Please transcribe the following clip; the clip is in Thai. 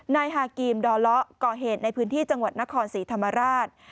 ฮากีมดอเลาะก่อเหตุในพื้นที่จังหวัดนครศรีธรรมราช